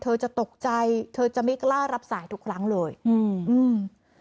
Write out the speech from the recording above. เธอจะตกใจเธอจะไม่กล้ารับสายทุกครั้งเลยอืมอืม